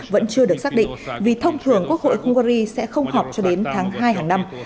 vẫn chưa được xác định vì thông thường quốc hội hungary sẽ không họp cho đến tháng hai hàng năm